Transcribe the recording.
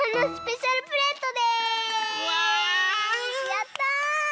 やった！